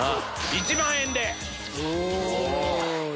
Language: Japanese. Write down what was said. １万円で！